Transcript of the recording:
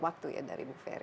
waktu ya dari bu ferry